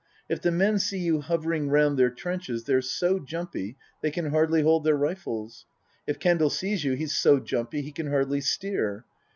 If the men see you hovering round their trenches they're so jumpy they can hardly hold their rifles. If Kendal sees you he's so jumpy he can hardly steer.